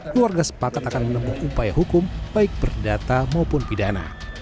keluarga sepakat akan menempuh upaya hukum baik perdata maupun pidana